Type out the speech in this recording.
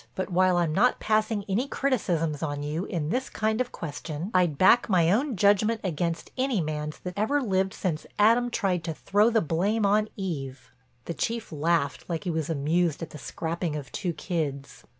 But while I'm not passing any criticisms on you, in this kind of question, I'd back my own judgment against any man's that ever lived since Adam tried to throw the blame on Eve." The Chief laughed like he was amused at the scrapping of two kids.